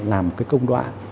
làm công đoạn